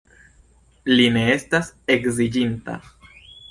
Li ne estas edziĝinta.